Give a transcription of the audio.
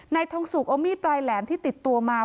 ทองสุกเอามีดปลายแหลมที่ติดตัวมา